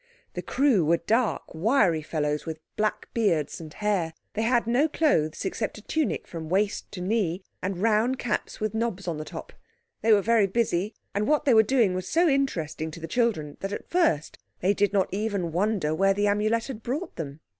The crew were dark, wiry fellows with black beards and hair. They had no clothes except a tunic from waist to knee, and round caps with knobs on the top. They were very busy, and what they were doing was so interesting to the children that at first they did not even wonder where the Amulet had brought them.